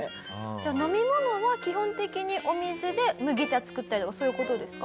じゃあ飲み物は基本的にお水で麦茶作ったりとかそういう事ですか？